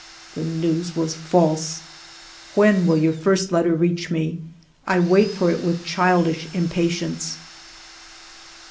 The news was false !... When will your first letter reach me ? I wait for it with childish impatience."